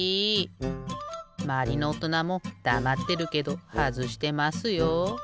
まわりのおとなもだまってるけどはずしてますよ。